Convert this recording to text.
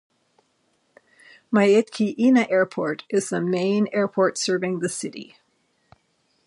Myitkyina Airport is the main airport serving the city.